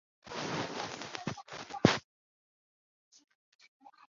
每次所生蛋的数目不详。